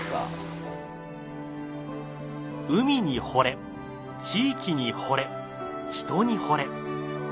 海に惚れ地域に惚れ人に惚れ。